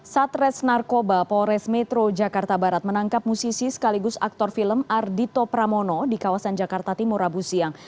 satres narkoba polres metro jakarta barat menangkap musisi sekaligus aktor film ardhito pramono di kawasan jakarta timur rabu siang